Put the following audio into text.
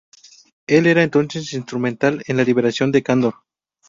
Él era entonces instrumental en la liberación de Kandor.